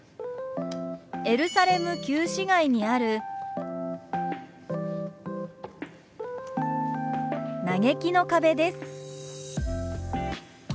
エルサレム旧市街にある嘆きの壁です。